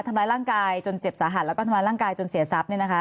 ทำร้ายร่างกายจนเจ็บสาหัสแล้วก็ทำร้ายร่างกายจนเสียทรัพย์